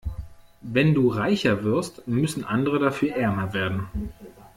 Wenn du reicher wirst, müssen andere dafür ärmer werden.